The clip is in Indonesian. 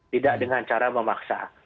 tidak dengan cara memaksa